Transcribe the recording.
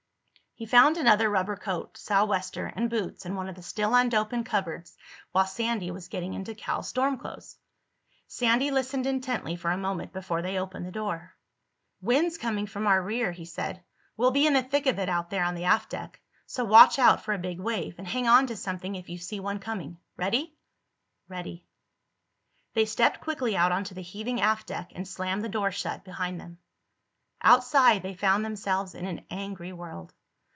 He found another rubber coat, sou'wester, and boots in one of the still unopened cupboards while Sandy was getting into Cal's storm clothes. Sandy listened intently for a moment before they opened the door. "Wind's coming from our rear," he said. "We'll be in the thick of it out there on the aft deck. So watch out for a big wave—and hang on to something if you see one coming. Ready?" "Ready." They stepped quickly out onto the heaving aft deck and slammed the door shut behind them. Outside, they found themselves in an angry world.